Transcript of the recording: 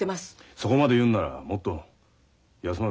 そこまで言うんならもっと休まる家庭を作れ。